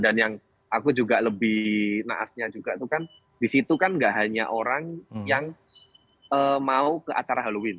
dan yang aku juga lebih naasnya juga itu kan di situ kan tidak hanya orang yang mau ke acara halloween